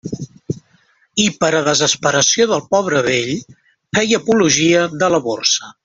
I per a desesperació del pobre vell, feia apologia de la Borsa.